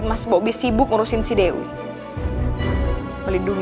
nah habis istirahat dulu ya